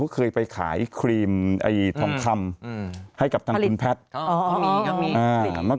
เคยไปขายครีม